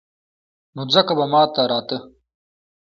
نو ځکه به ما ته راته.